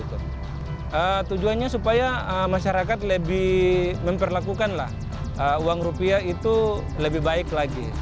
tujuannya supaya masyarakat lebih memperlakukanlah uang rupiah itu lebih baik lagi